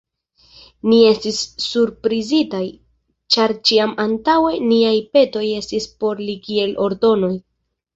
Ni estis surprizitaj, ĉar ĉiam antaŭe niaj petoj estis por li kiel ordonoj.